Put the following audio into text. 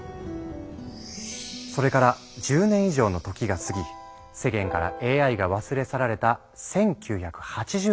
それから１０年以上の時が過ぎ世間からＡＩが忘れ去られた１９８０年代。